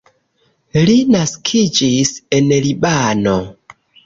Li naskiĝis en Libano.